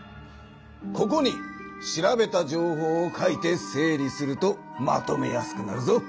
ここに調べた情報を書いて整理するとまとめやすくなるぞ。